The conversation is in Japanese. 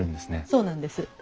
そうなんです。